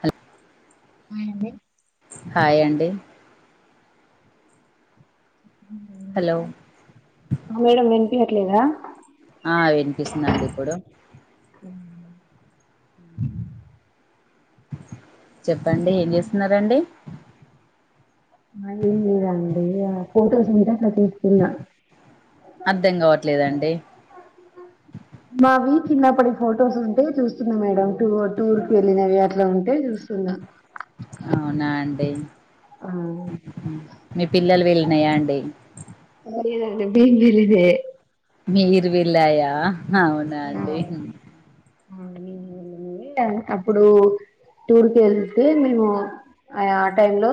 Hello ఆ hi అండి ఊ హలో మేడం వినిపియట్లేదా ఆ వినిపిస్తుందండి ఇప్పుడు ఊ చెప్పండి ఏం చేస్తున్నారు చేస్తున్నారండి మరి ఏం లేదండి ఇగ ఫోటోస్ మీదా ప్రతి అర్థం కావట్లేదండి హమ్ [unintelligible] మావి చిన్నప్పటి ఫొటోస్ ఉంటే చూస్తున్నా మేడం టూ టూర్ కి వెళ్ళినవి అట్లా ఉంటే చూ సున్నా అవునా అండి ఆ మీ పిల్లలు వీళ్ళనాయా అండి మరిదతే బేల్ బీల్ ఇదే [unintelligible] మీరు వెళ్ళాయా అవునా అండి ఆ [unintelligible] అప్పుడు టూర్ కి వెళ్తే మేము ఆ టైమ్ లో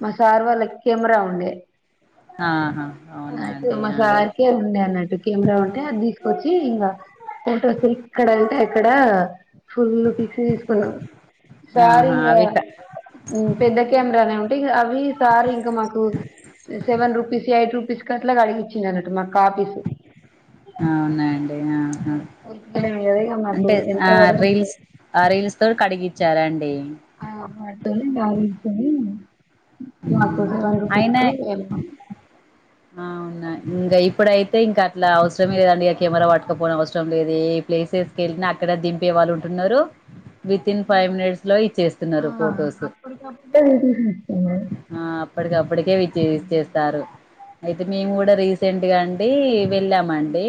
మా సార్ వాళ్ళ కెమెరా ఉండే ఆహా అవునా అయితే అండి మా ఆ సార్కే ఉండే అన్నట్టు కెమెరా ఉంటే అది తీసుకొచ్చి ఇంకా ఫొటోస్ ఇక్కడంటే అక్కడ ఫుల్ పిక్స్ తీసుకున్నాం సారు ఆహా ఇంగ అవి క ఉం పెద్ద కెమెరానే ఉంటే ఇగ అవి సార్ ఇంకా మాకు సెవెన్ రూపీస్ ఎయిట్ రూపీస్ క అట్లా కడిగించినారట మా కాపీస్ అవునా అండి ఆహా ఎదైనా మాకు ఎంత వ [unintelligible] అ రీల్స్ తో టీ కడిగిచ్చారాండి ఆ మాంటనే నా ఇతు [unintelligible] మకు హ్మ్ సెవన్ రూపీస్కు ఎల్ [unintelligible] అవున్నా ఇంకా ఇప్పుడైతే ఇంకా అట్లా అవసరమే లేదండి కెమెరా పట్టుకపోన అవసరం లేదు ఏ ప్లేసెస్ వెళ్ళిన అక్కడ దింపే వాళ్ళు ఉంటున్నారు విత్న్ ఫైవ్ మినిట్స్ లో ఇచ్చేస్తున్నారు ఫొటోస్ చెన్నా [unintelligible] ఆ అప్పటికప్పటికేవిచ్చ ఇచ్చేస్తారు అయితే మేము కూడా రీసెంట్గా అండి వెళ్ళామండి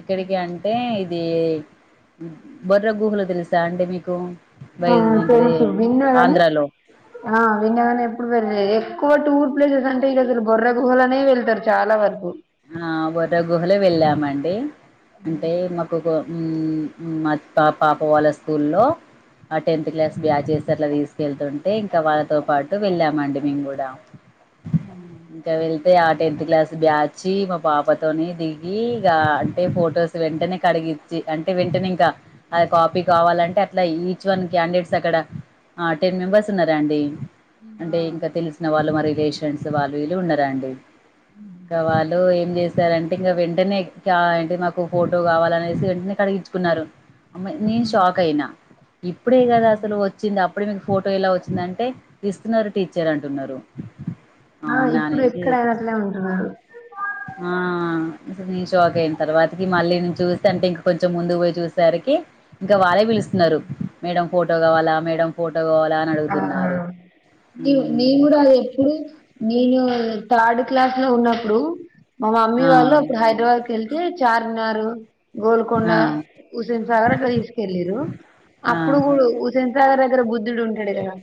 ఎక్కడికి అంటే ఇది బొర్ర గుహలు తెలుసా అండి మీకు ఆ బయలుదే ఏంటిది తెలుసు విన్నా గాని ఆంధ్రాలో [unintelligible] ఆ వినగాని ఎప్పుడు బయలుదేరారు ఎక్కువ టూర్ ప్లేసెస్ అంటే ఇక అసలు బొర్ర గుహలోనే వెళ్తారు చాలా వరకు ఆ బొర్రా గుహలే వెళ్ళామండి అంటే మాకు ఉం మా పా పాప వాళ్ళ స్కూల్లో ఆ టెన్త్ క్లాస్ బ్యా చేసే అట్లా తీసుకెళ్తుంటే ఇంకా వాళ్ళతో పాటు వెళ్ళామండి మేము కూడా ఇంకా వెళ్తే ఆ టెన్త్ క్లాస్ బ్యాచ్ వచ్చి మా పాపతోని దిగి ఇక అంటే ఫొటోస్ వెంటనే కడిగిచ్చి అంట వెంట వెంటనే ఇంకా అది కాపీ కావాలంటే అట్లా ఈచ్ వన్ క్యాండిడేట్స్ అక్కడ ఆ టెన్ మెంబెర్స్ ఉన్నారా అండి అంటే ఇంకా తెలిసిన వాళ్ళు మా రిలేషన్స్ వాళ్ళు వీళ్ళు ఉన్నారా అండి ఉ వాళ్ళు ఏం చేశారంటే ఇంకా వెంటనే అంటే మాకు ఫోటో కావాలనేసి వెంటనే కడిగిచ్చు కున్నారు అమ్మా నేను షాక్ అయినా ఇప్పుడే కదా అసలు వచ్చింది అప్పుడే మీకు ఫోటో ఎలా వచ్చిందంటే తీస్తున్నారు టీచర్ అంటున్నారు ఆ అవునా ఇప్పుడు అనేసి ఎక్కడ ఆడనే ఉంటున్నారు [unintelligible] ఆ నీ షాకు అయిన తర్వాతకి మళ్ళీ నేను చూస్త అంటే ఇంక కొంచెం ముందు పోయి చూసేసరికి ఇంకా వారే పిలుస్తున్నారు మేడం ఫోటో కావాలా మేడం ఫోటో కావాలా అని అడుగుతున్నారు నివ్ ఉమ్ నీవు కూడా అది ఎప్పుడు నేను థర్డ్ క్లాస్ లో ఉన్నప్పుడు మా మమ్మీ ఆ వాళ్ళు అప్పుడు హైదరాబాద్ యేల్తే చార్మినారు గోల్కొండ ఆ హుసేన్ సాగర్ అట్లా తీసుకెళ్లిరు అప్పుడు ఆహా కూడు హుస్సేన్ సాగర్ దగ్గర బుద్ధుడు ఉంటాడు కదా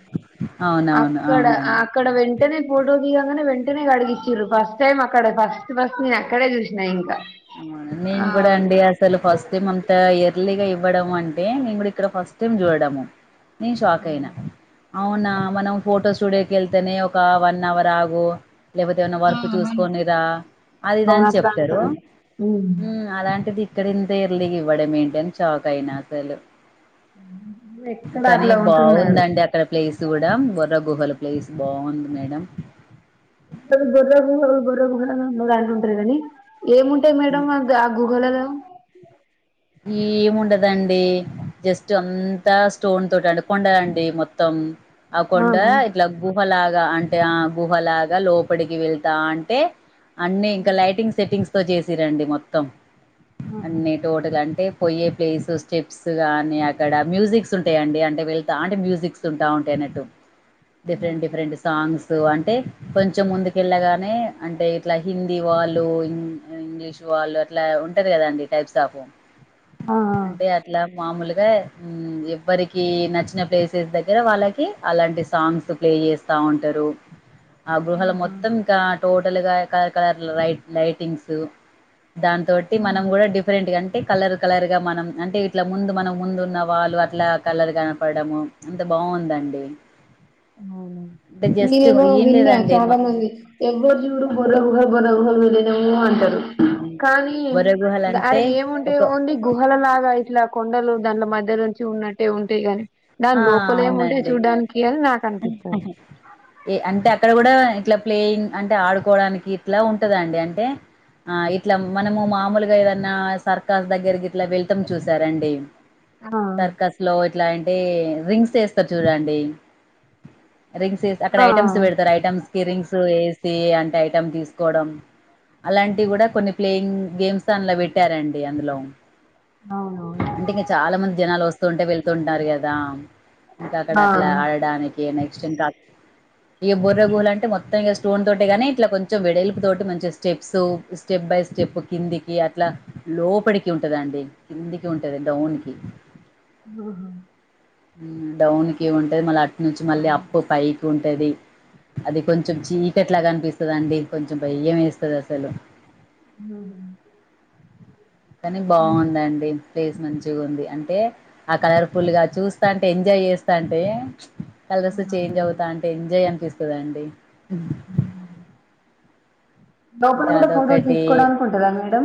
అవునవును అక్కడ ఆ అవునండి అక్కడ వెంటనే పోటో దిగంగానే వెంటనే కడిగిచ్చిరు ఫస్ట్ టైమ్ అక్కడ ఫస్ట్ ఫస్ట్ నేను అక్కడే చూసి నిను ఇంకా ఆ మేము కూడా అండి అస అసలు ఫస్ట్ టైం అంతా ఎర్లీగా ఇవ్వడం అంటే మేము కూడా ఇక్కడ ఫస్ట్ టైం చూడడము నేను షాక్ అయినా అవునా మనం ఫోటో స్టూడియోకి వెళ్తేనే ఒక వన్ అవర్ ఆగు లేకపోతే ఏమన్నా ఆ వర్క్ మన్ చూసుకోని రా అది ఇదనీ అవును అని అట్లా చెప్తారు అంటారు మ్మ్ అలాంటిది ఇక్కడ ఇంత ఎర్లీగా ఇవ్వడమేంటని షాక్ అయినా అసలు ఎక్కడ కానీ అట్లా ఉంటున్నారు బాగుందండి అక్క అక్కడ ప్లేస్ కూడా బోర్ర గుహల ప్లేస్ బాగుంది మేడం ఎప్పుడు బొర్రా గుహలు బొర్రా గుహలు ఉని అంటుంటారు కానీ ఏముంటాయి మేడం ఆ గుహలలో ఏముండదండి జస్ట్ అంతా స్టోన్ తోటి అంటే కొండ అండి మొత్తం ఆ కొండ ఆహా ఇట్లా గుహలాగా అంటే ఆ గుహలాగా లోపటికి వెళ్తాంటే అన్ని ఇంకా లైటింగ్ సెట్టింగ్స్ తో చేసిరండి మొత్తం ఆహా అన్ని టోటల్ అంటే పోయే ప్లేస్ స్టెప్స్ కానీ అక్కడ మ్యూజిక్స్ ఉంటాయండి అంటే వెళ్తాంటే మ్యూజిక్స్ ఉంటా ఉంటే అయినట్టు హామ్ డిఫరెంట్ డిఫరెంట్ సాంగ్స్ అంటే కొంచెం ముందుకెళ్ళగానే అంటే ఇట్లా హిందీ వాళ్ళు ఇంగ్లీష్ వాళ్ళు అట్లా ఉంటారు కదండి టైప్స్ ఆఫ్ ఆ అంటే అట్లా మామూలుగా మ్మ్ ఎవ్వరికి నచ్చిన ప్లేసెస్ దగ్గర వాళ్ళకి అలాంటి సాంగ్స్ ప్లే చేస్తా ఉంటారు ఆ గూహల మొత్తం ఇంకా టోటల్ గా కలర్ కలర్ లై లైటింగ్స్ తోటి మనం ఆహా కూడా డిఫరెంట్ గాన్ అంటే కలర్ కలర్ గా మనం అంటే ఇట్లా ముందు మనం ముందు ఉన్న వాళ్ళు అట్లా కలర్ కనపడము అంత బాగుందండి అంటే జస్ట్ నిను ఏం విన్నా లేదండి చాలా మొత్తం మంది ఎవ్వరు జూడు బొర్రా గుహలు బొర్రా గుహలు వెళ్ళినాము అంటారు హ్మ్. కానీ బొర్ర అడ గుహలంటే ఏముంట అంటే ఒక ఓన్లీ గుహల లాగా ఇట్లా కొండలు దాన్ల మధ్యలో నుంచి ఉన్నట్టే ఉంటేయి గాని దాని ఆ లోపలే ఏమి ఉంటాయో అవునండి. చూడ్డానికి అని నాకు అనిపిత్తాంది ఏ అంటే అక్కడ కూడా ఇట్లా ప్లేయింగ్ అంటే ఆడుకోవడానికి ఇట్లా ఉంటదండి అంటే ఆ ఇట్లా మనము మామూలుగా ఏదన్నా సర్కాస్ దగ్గరకి ఇట్లా వెళ్తాం చూసారండి ఆ సర్కస్ లో ఇట్లా రింగ్స్ యేస్తారు చూడండి రింగ్స్ యేసి అక్కడ ఆ ఐటమ్స్ పెడ మరి ఐటమ్స్ కి రింగ్స్ యేసి అంటే ఐటెమ్ తీసుకోవడం అలాంటివి కూడా కొన్ని ప్లేయింగ్ గేమ్స్ అందులో పెట్టారండి అందులో అవునవును అంటే ఇంగా చాలా మంది జనాలు వస్తూ ఉంటే వెళ్తు ఉన్నారు కదా ఇంకా అక్కడ ఆ అట్లా ఆడడానికి నెక్స్ట్ ఇంకా ఇక బొర్ర గుహలంట మొత్తం ఇంక స్టోన్ తోటే గాని ఇట్ల కొంచం వెడల్పుతోటి మంచిస్తు స్టెప్స్ స్టెప్ బై స్టెప్ కిందికి అట్లా లోపడికి ఉంటదండి కిందికి ఉంటది డౌన్కి ఆహా డౌన్ కి ఉంటది మళ్ళ అటునుంచి మళ్ళీ అప్ పైకి ఉంటది అది కొంచెం చీకట్లాగా అనిపిస్తుంది అండి కొంచెం భయ్యం వేస్తుంది అసలు ఆహా కానీ బావుందండి ప్లేస్ మంచిగా ఉంది అంటే ఆ కలర్ ఫుల్ గా చూస్తాంటే ఎంజాయ్ చేస్తా అంటే కలర్స్ చేంజ్ అవుతా ఉంటే ఎంజాయ్ అనిపిస్తదండి లోపల ఇంకా కూడా ఫోటోస్ అదొకటి తీసుకోవడానికి వుంటదా మేడం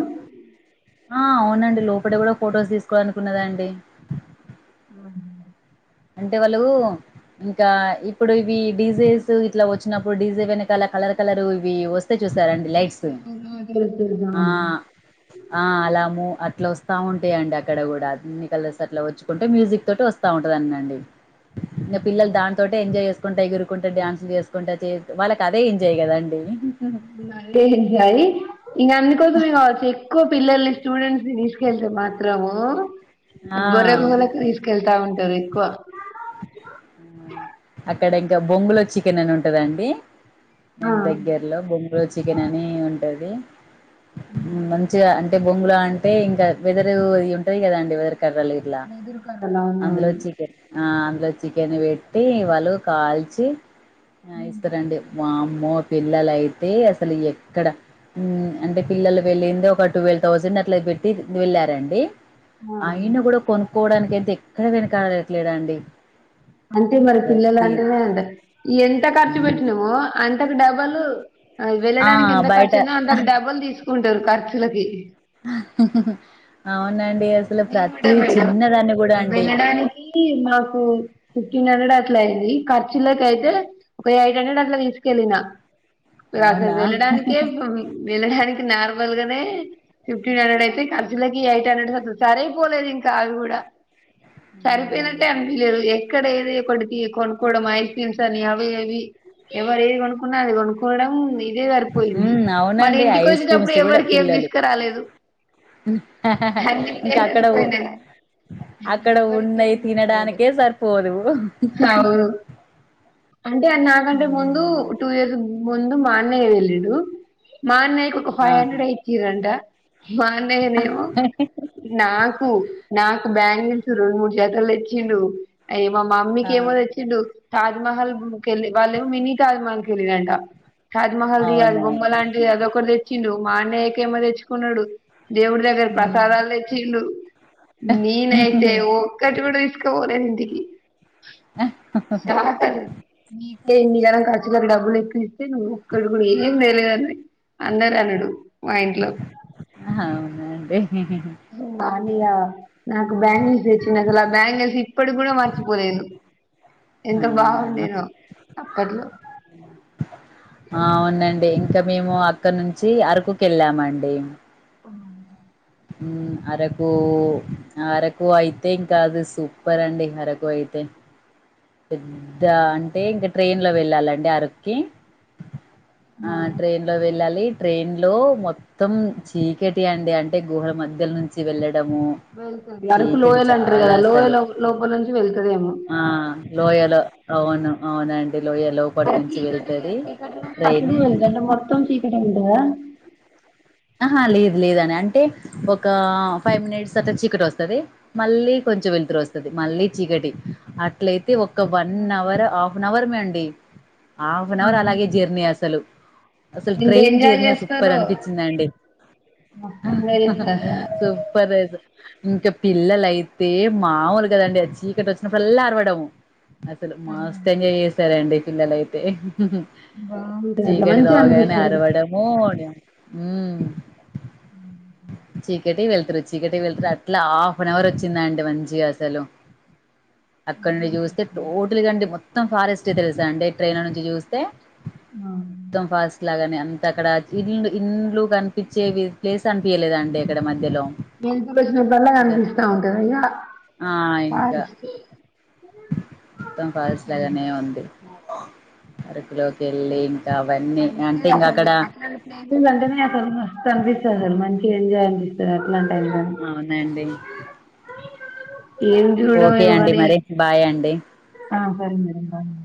ఆ అవునండి లోపడ కూడా ఫొటోస్ తీసుకోవడానికి ఉండదండి ఆ అంటే వాళ్ళు ఇంకా ఇప్పుడు ఇవి డిజెస్ ఇట్లా వచ్చినప్పుడు డీజె వెనకాల కలర్ కలర్ ఇవి వస్త వస్తే చూసారండి లైట్స్ తెలుసు తెలుసు ఆ అవును ఆ అలాము అట్లా వస్తా ఉంటాయండి అక్కడ కూడా అన్ని కలర్స్ అట్లా వచ్చుకుంటే మ్యూజిక్ తోటి వస్తా ఉంటా అండి ఇంకా పిల్లలు దానితోటి ఎంజాయ్ చేసుకుంటా ఎగురుకుంటే డ్యాన్సులు చేసుకుంటా వాళ్ళకి అదే ఎంజాయ్ కదండి ఎంజాయ్ ఇక అందుకోసమే కావచ్చు ఎక్కువ పిల్లల్ని స్టూడెంట్స్ ని తీసుకెళ్తే మాత్రము ఆ బొర్ర గుహల కు తీసుకు వెళ్తా ఉంటారు ఎక్కువ అక్కడ ఇకా బొంగులో చికెన్ అని ఉంటదండి ఆ దాని కి దగ్గర లో బొంగులో చికెన్ అని ఉంటది మంచిగా అం టే బొంగులా అంటే ఇంకా వెదురు ఇవి ఉంటాయి కదా అండి వెదురు కర్రలు అవునవును అందులో చికెన్ ఆ అందులో చికెన్ పెట్టి వాళ్ళు కాల్చి ఇస్తరండి వామ్మో పిల్లల అయితే అసలు ఎక్కడ అంటే పిల్లలు వెళ్ళింది ఒక ట్వల్ థౌజండ్ అట్లా పెట్టి వెళ్ళారండి అయినా కూడా కొనుక్కోవడానికి అయితే ఎక్కడ వెనకడట్లేదు అండి అంటే మరి పిల్లలు అంటేనే అంత ఎంత ఖర్చు మ్మ్ పెట్టినామో అంతకు డబల్ అ ఆ వెళ్ళడానికి ఎంత బయట ఖర్చైందో అంతకు డబల్ తీసుకుంటారు ఖర్చులకి అవునండి అసలు ప్రతి ది చిన్నదాన్ని కూడా అండి వెళ్ళడానికి మాకు ఫిఫ్టీన్ హండ్రెడ్ అట్లా అయింది ఖర్చులకయితే ఒక ఎయిట్ హండ్రెడ్ అట్లా తీసుకెళ్ళిన అసలు అవునా వెళ్ళడానికే వెళ్ళడానికి నార్మల్ గానే ఫిఫ్టీన్ హండ్రెడ్ అయితే ఖర్చులకి ఎయిట్ హండ్రెడ్ సరేపోలేదు ఇంకా అవి కూడా సరిపోయినట్టే అనిపియలేదు ఏ ఇక్కడ ఏది ఒకటి కొనుక్కవడం ఐస్ క్రీమ్స్ అని అవి ఇవి ఎవరు ఏది కొనుకున్నా అది కొనుక్కోవడం ది ఇదే సరిపోయింది ఉమ్ మళ్ళా అవునండి ఇంటికి ఐస్ వచ్చేటప్పుడు క్రీమ్స్ కూడా ఎవరికి ఏం పిల్లలు తీసుకు రాలేదు ఇంకా అక్కడ ఉ అన్నినా అక్కడ ఉన్నయి తినడానికే సరిపోదు అవును అంటే అది నాకంటే ముందు హ్మ్. టూ ఇయర్స్ ముందు మా అన్నయ్య ఎళ్ళిండు మా అన్నయ్య కు ఓం ఫైవ్ ఆహా హండ్రెడ్ ఎ ఇచ్చిరంట మా అన్నయ్య నేమో నాకు నాకు బ్యాంగిల్స్ రెండు మూడు జతలు తేచ్చిండు అయి మా ఆ మమ్మీకి ఏమో తెచ్చిడు తాజ్మహల్కెళ్ళి వాళ్ళే మినీ తాజ్మహల్కి వెళ్ళింట తాజ్మహల్ది బొమ్మ అవునండి లాంటి ఏదొ ఒకటి తెచ్చిండు మా అన్నయ్యకేమో తెచ్చుకున్నడు దేవుడి దగ్గర ప్ర హ్మ్. దలాలు తెచ్చిండు నేనైతే ఒక్కటి కూడా తీసుకోపోలేను ఇంటికి మీ ఎన్నిగనం ఖర్చులకు డబ్బులు ఎక్ నువ్వు ఒక్కడు కూడా ఏం తెలేదని అందరు అనుడు మా ఇంట్లో అవునాండి మా అనయ్య నాకు బ్యాంగిల్స్ తెచ్చిండు అసలు ఆ బ్యాంగిల్స్ ఇప్పడీకి కూడా మార్చిపోలేదు ఎంత అవునా బాగుండేనో అప్పట్లో ఆ అవునండి ఇంకా మేము అక్కడ నుంచి అరకుకు వెళ్ళామండి అరకు అరకు అయితే ఇంకా అది సూపర్ అండి అరకు అయితే పెద్ద అంటే ఇంకా ట్రైన్లో వెళ్ళాలండి అరక్కి ఆ ట్రైన్లో వెళ్ళాలి ట్రైన్లో మొత్తం మొత్తం చీకటి అండి అంటే గుహల మధ్యలో నుంచి వెళ్ళడము అరకు చీకటి లోయలంటారు చాలా కదా అసలు లోయల్ లోపల నుంచి వెళ్తదేమో ఆ లోయలో అవును అవునండి లోయలో చీకటి చీకట్లనే అట్లనే మొత్తం చీకటి ఉంటదా ఆహా లేదు లేదని అంటే ఒక ఫైవ్ మినిట్స్ అట్లా చికటి వస్తది మళ్ళీ కొంచెం వెలుతురు వస్తది మళ్ళీ చీకటి అట్లయితే ఒక వన్ అవర్ హాఫ్ అన్ అవర్మే అండి హాఫ్ అన్ అవర్ అలాగే జర్నీ అసలు అసలు ఎంత ట్రైన్ ఎంజాయ్ జర్నీ సూపర్ చేస్తారో అనిపించింది అండి మస్తు ఎంజాయ్ చేస్తారు అసలు సూపర్ ఇంకా పిల్లలయితే మాముూలు కదండి అది చీకటి వచ్చినప్పుల్ల అరవడము అసలు మస్తు ఎంజాయ్ చేసారండి పిల్లలయితే బాగుంటది అట్లా చీకటి మంచిగా రాగానే అనిపిస్తది అరవడము ఉ చీకటి వెళ్తురు చీకటికి వెళ్తురు అట్లా హాఫన్ అవర్ వచ్చింది అండి మంచిగా అసలు అక్కడ నుంచి చూస్తే టోటల్గా అండి మొత్తం ఫారెస్ట్ తెలుసా అండి ట్రైన్ల నుంచి చూస్తే అ మొత్తం ఫాస్ట్లాగానే అంత అక్కడ ఇల్ ఇండ్లు కనిపించే ప్లేస్ అనిపయలేదండి అక్కడ మధ్యలో నే వెలుతురు వచ్చినప్పుడల్లా ఇంకా కనిపిస్తా ఉంటందా ఇగా ఆ ఇంకా ఫారెస్ట్ మొత్తం ఫారెస్ట్లాగానే ఉంది అరకులోకి వెళ్ళి అవన్నీ అందుకే అంటే ఇంగ అసలు అక్కడ అట్లాంటి అంటేనే అసలు మస్తు అనిపిస్తది అండి మంచిగ ఎంజాయ్ అనిపిస్త ఇట్లాంటి టైంలో అవునండి ఏం చూడడం ఓకే ఏమో అండి మరి బాయ్ అండి గాని